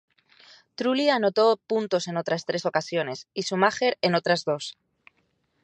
Trulli anotó puntos en otras tres ocasiones y Schumacher en otras dos.